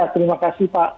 terima kasih pak